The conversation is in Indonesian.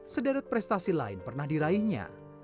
sederet prestasi lain pernah diraihnya